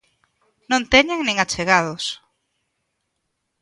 Non teñen nin achegados.